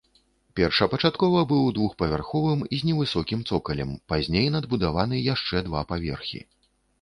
Першапачаткова быў двухпавярховым з невысокім цокалем, пазней надбудаваны яшчэ два паверхі.